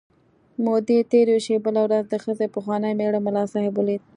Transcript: مودې تېرې شوې، بله ورځ د ښځې پخواني مېړه ملا صاحب ولید.